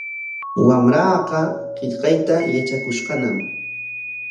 Wamraaqa qillqayta yatrakushqañam.